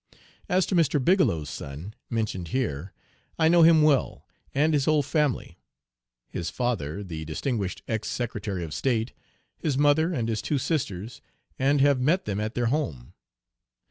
As to Mr Bigelow's son, mentioned here, I know him well, and his whole family his father, the distinguished ex Secretary of State, his mother and his two sisters, and have met them at their home.